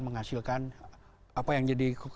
menghasilkan apa yang jadi